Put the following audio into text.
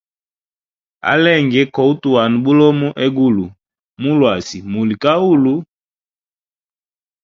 Alenge kohutuwana bulomo egulu, mulwasi muli kahulu.